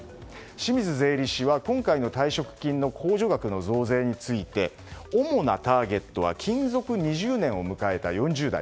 清水税理士は、今回の退職金の控除額の増税について主なターゲットは勤続２０年を迎えた４０代。